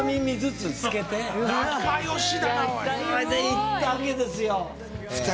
行ったわけですよ！